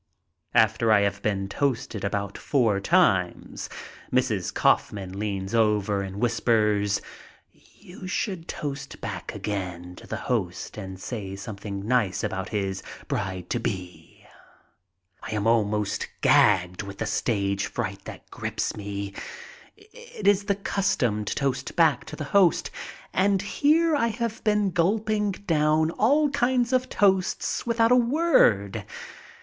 After I have been toasted about four times, Mrs. Kaufman leans over and whispers, "You should toast back again to the host and say something nice about his bride to be." I am almost gagged with the stage fright that grips me. If is the custom to toast back to the host and here I have been gulping down all kinds of toasts without a word.